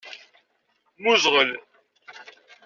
Mmuẓɣel.